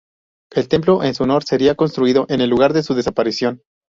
El templo en su honor sería construido en el lugar de su desaparición.